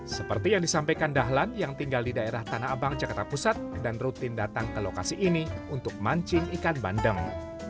seperti yang disampaikan dahlan yang tinggal di daerah tanah abang jakarta pusat dan rutin datang ke lokasi ini untuk mancing ikan bandeng